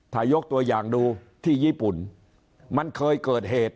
ถ้ายกตัวอย่างดูที่ญี่ปุ่นมันเคยเกิดเหตุ